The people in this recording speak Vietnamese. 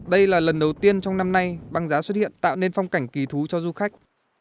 đây là lần đầu tiên trong năm nay băng giá xuất hiện tạo nên phong cảnh kỳ thú cho du khách